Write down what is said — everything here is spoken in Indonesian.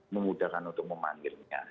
memudahkan untuk memanggilnya